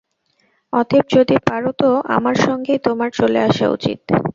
অতএব যদি পার তো আমার সঙ্গেই তোমার চলে আসা উচিত।